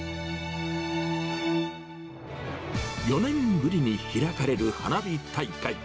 ４年ぶりに開かれる花火大会。